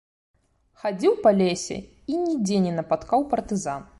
Хадзіў па лесе і нідзе не напаткаў партызан.